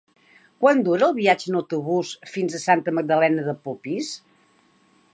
Quant dura el viatge en autobús fins a Santa Magdalena de Polpís?